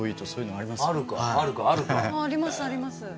あありますあります。